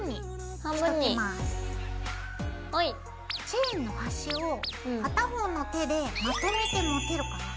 チェーンのはしを片方の手でまとめて持てるかな？